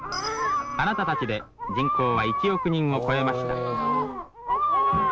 あなたたちで人口は１億人を超えました。